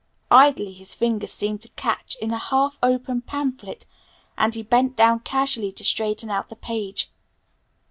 Idly his finger seemed to catch in a half open pamphlet, and he bent down casually to straighten out the page.